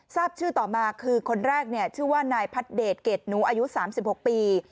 ทราบชื่อต่อมาคือคนแรกเนี่ยชื่อว่านายพัดเดชเกรดหนูอายุสามสิบหกปี